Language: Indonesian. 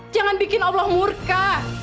jangan bikin allah murka